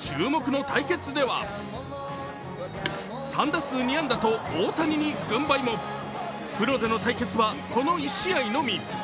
注目の対決では３打数２安打と大谷に軍配もプロでの対決は、この１試合のみ。